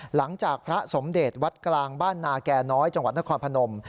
หลังจากพระสมเดชวัดกลางบ้านนาแก่น้อยจังหวัดนครพนม